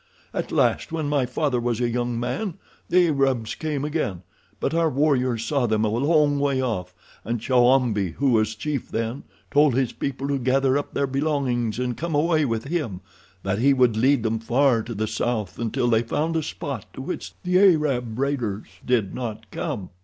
At last, when my father was a young man, the Arabs came again, but our warriors saw them a long way off, and Chowambi, who was chief then, told his people to gather up their belongings and come away with him—that he would lead them far to the south until they found a spot to which the Arab raiders did not come.